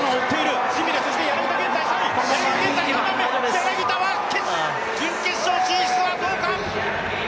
柳田、準決勝進出はどうか？